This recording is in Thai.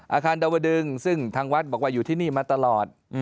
อาคารดาวดึงซึ่งทางวัดบอกว่าอยู่ที่นี่มาตลอด